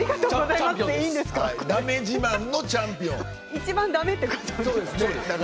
一番だめってことですか？